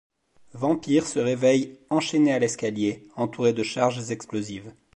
Vampir se réveille enchaîné à l'escalier, entouré de charges explosives.